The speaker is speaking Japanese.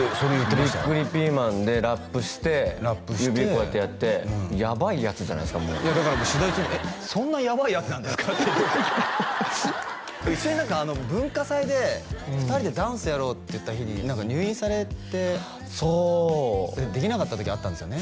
ビックリピーマンでラップして指こうやってやってヤバいやつじゃないすかもういやだから取材中に「そんなヤバいやつなんですか？」って文化祭で２人でダンスやろうっていった日に何か入院されてそうできなかった時あったんですよね